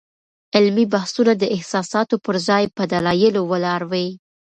علمي بحثونه د احساساتو پر ځای په دلایلو ولاړ وي.